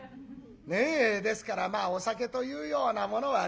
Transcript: ねえですからお酒というようなものはね